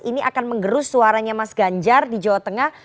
ini akan mengerus suaranya mas ganjar di jawa tengah